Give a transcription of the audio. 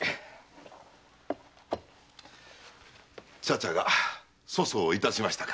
茶々が粗相を致しましたか？